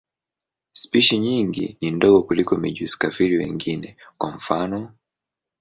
Spishi nyingi ni ndogo kuliko mijusi-kafiri wengine, kwa mfano.